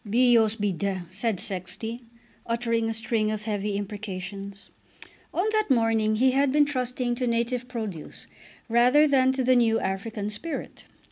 "Bios be d ," said Sexty, uttering a string of heavy imprecations. On that morning he had been trusting to native produce rather than to the new African spirit.